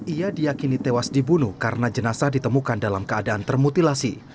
ia diakini tewas dibunuh karena jenazah ditemukan dalam keadaan termutilasi